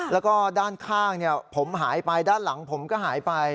แล้วก็ด้านข้างผมหายไปด้านหลังผมก็หายไป